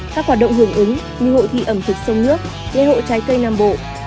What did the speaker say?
các hoạt động hưởng ứng như hội thi ẩm thực sông nước lễ hội trái cây nam bộ